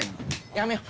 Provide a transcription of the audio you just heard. やめよう。